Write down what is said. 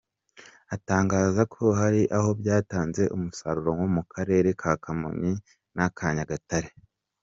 Atangaza ko hari aho byatanze umusaruro nko mu karere ka Kamonyi n’aka Nyagatare.